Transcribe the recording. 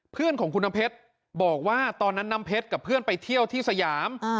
เพื่อนของคุณน้ำเพชรบอกว่าตอนนั้นน้ำเพชรกับเพื่อนไปเที่ยวที่สยาม